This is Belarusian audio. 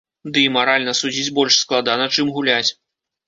Ды і маральна судзіць больш складана, чым гуляць.